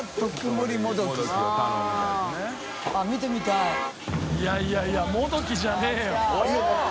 いやいやいや「もどき」じゃねぇよ。